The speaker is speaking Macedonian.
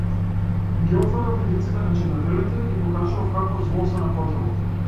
Им ги отворав видиците на читателите и покажував какво зло се накотило.